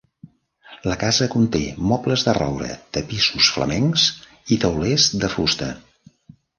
La casa conté mobles de roure, tapissos flamencs i taulers de fusta.